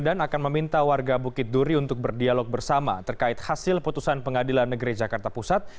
dan akan meminta warga bukit duri untuk berdialog bersama terkait hasil putusan pengadilan negeri jakarta pusat